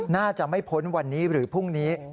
น่าจะไม่พ้นวันนี้หรือพรุ่งนี้